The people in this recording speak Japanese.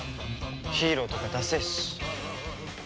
ヒーローとかだせえし。